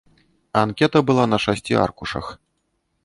Анкета была на шасці аркушах.